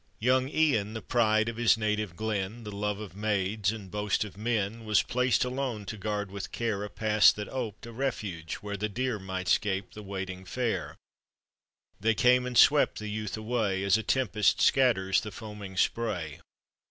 Young Ian, the pride of his native glen, The love of maids and boast of men, Was placed alone to guard with care A pass that ope'd a refuge where The deer might 'scape the waiting fare. They came and swept the youth away, As a tempest scatters the foaming spray.